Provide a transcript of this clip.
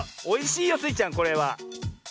おいしいよスイちゃんこれは。